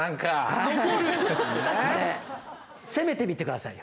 攻めてみて下さいよ。